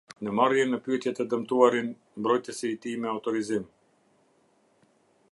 Në marrjen në pyetje të dëmtuarin mbrojtësi i tij me autorizim.